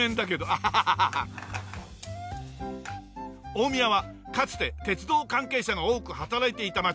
大宮はかつて鉄道関係者が多く働いていた街。